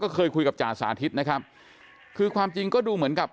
เคยคุยกับจ่าสาธิตนะครับคือความจริงก็ดูเหมือนกับ